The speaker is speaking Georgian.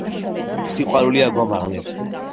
სიყვარული აგვამაღლებს